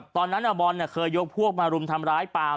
ตอนนั้นบอลเคยยกพวกมารุมทำร้ายปาล์